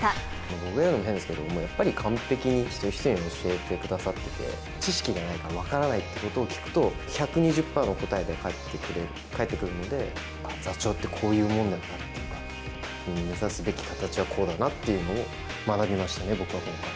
僕が言うのも、変ですけど、やっぱり完璧に一人一人に教えてくださっていて、知識がないから分からないことを聞くと、１２０％の答えで返ってくるので、座長ってこういうもんなんだっていうか、目指すべき形はこうだなっていうのを学びましたね、僕は今回。